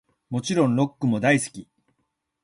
もちろんロックも大好き♡